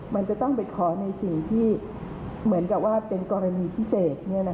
มันจะต้องไปขอในสิ่งที่เหมือนกับว่าเป็นกรณีพิเศษ